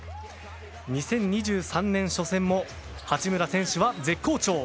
２０２３年初戦も八村選手は絶好調